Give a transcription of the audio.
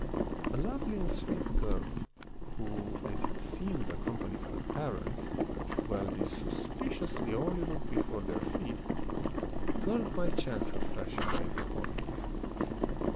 A lovely and sweet girl, who, as it seemed, accompanied her parents, while these suspiciously only looked before their feet, turned by chance her flashing eyes upon me.